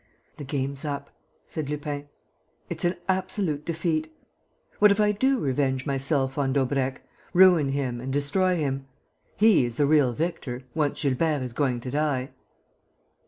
"The game's up!" said Lupin. "It's an absolute defeat. What if I do revenge myself on Daubrecq, ruin him and destroy him? He is the real victor, once Gilbert is going to die."